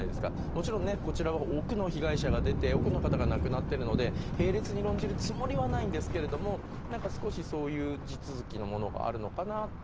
もちろんね、こちらは多くの被害者が出て多くの方が亡くなっているので並列に論じるつもりはありませんがそういう地続きのものがあるのかなと。